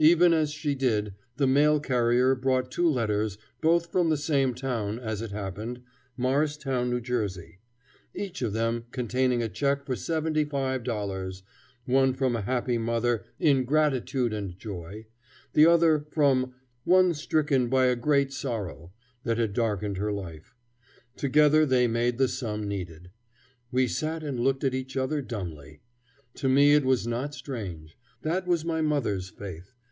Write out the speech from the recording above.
Even as she did, the mail carrier brought two letters, both from the same town, as it happened Morristown, N.J. Each of them contained a check for $75, one from a happy mother "in gratitude and joy," the other from "one stricken by a great sorrow" that had darkened her life. Together they made the sum needed. We sat and looked at each other dumbly. To me it was not strange: that was my mother's faith.